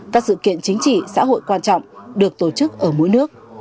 các sự kiện chính trị xã hội quan trọng được tổ chức ở mỗi nước